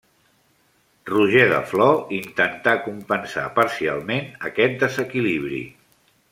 Roger de Flor intentà compensar parcialment aquest desequilibri.